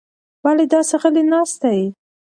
ولې داسې غلې ناسته یې؟